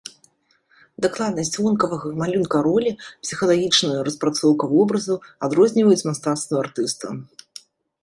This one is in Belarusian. Дакладнасць вонкавага малюнка ролі, псіхалагічная распрацоўка вобразаў адрозніваюць мастацтва артыста.